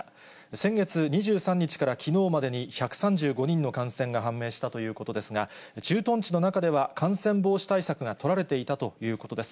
先月２３日からきのうまでに１３５人の感染が判明したということですが、駐屯地の中では感染防止対策が取られていたということです。